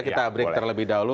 kita break terlebih dahulu